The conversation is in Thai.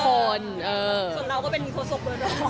ส่วนเราก็เป็นโคสก